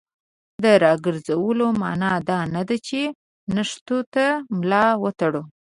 د راګرځولو معنا دا نه ده چې نښتو ته ملا وتړو.